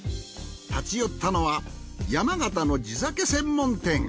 立ち寄ったのは山形の地酒専門店。